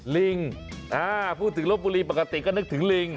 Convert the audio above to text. ลิงพูดถึงลบบุรีปกติก็นึกถึงลิง